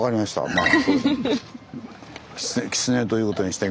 まあ。